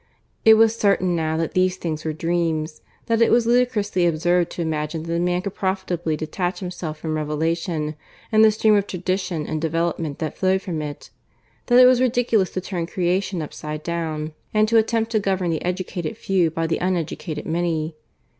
It was certain now that these things were dreams that it was ludicrously absurd to imagine that a man could profitably detach himself from Revelation and the stream of tradition and development that flowed from it; that it was ridiculous to turn creation upside down and to attempt to govern the educated few by the uneducated many.